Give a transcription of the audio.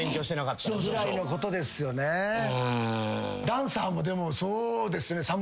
ダンサーもでもそうですね。